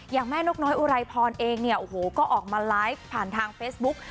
แม่นกน้อยอุไรพรเองเนี่ยโอ้โหก็ออกมาไลฟ์ผ่านทางเฟซบุ๊ก